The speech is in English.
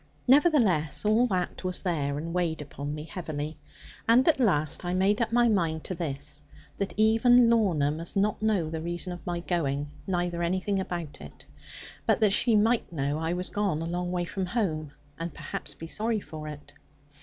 Nevertheless, all that was there, and weighed upon me heavily. And at last I made up my mind to this, that even Lorna must not know the reason of my going, neither anything about it; but that she might know I was gone a long way from home, and perhaps be sorry for it.